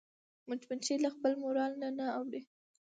مچمچۍ له خپل مورال نه نه اوړي